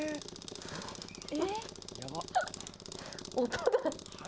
音が。